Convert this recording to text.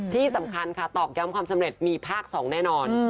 ที่สำคัญค่ะตอกย้ำความสำเร็จมีภาค๒แน่นอน